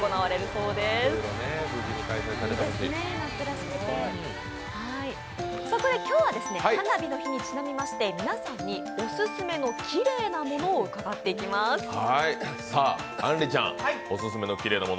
そこで今日は、花火の日にちなみまして皆さんにオススメのキレイなものを伺っていきます。